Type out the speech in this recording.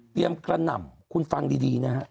กระหน่ำคุณฟังดีนะฮะ